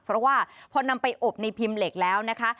เพราะว่าพอนำไปอบในพิมพ์เหล็กแล้วนะคะ